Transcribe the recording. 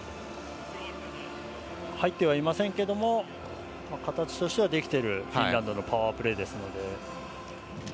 入ってはいませんけども形としてはできている、フィンランドのパワープレーですので。